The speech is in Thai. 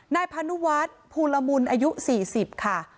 นายพานุวัฒน์ภูละมุนอายุ๔๐ค่ะ